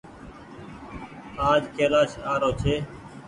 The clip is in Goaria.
آج ڪيلآش آ رو ڇي۔